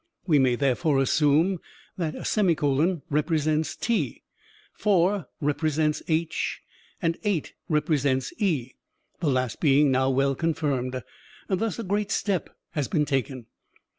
We may, therefore, assume that ; represents t, 4 represents h, and 8 represents e the last being now well confirmed. Thus a great step has been taken.